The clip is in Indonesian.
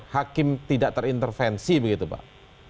hakim tidak terintervensi begitu pak